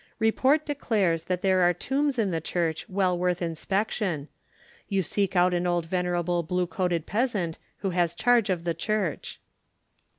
Report declares that there are tombs in the church well worth inspection. You seek out an old venerable blue coated peasant who has charge of the church.